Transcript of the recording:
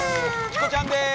チコちゃんです